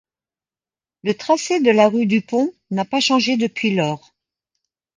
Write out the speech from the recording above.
Le tracé de la rue du Pont n'a pas changé depuis lors.